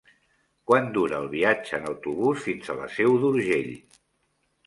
Quant dura el viatge en autobús fins a la Seu d'Urgell?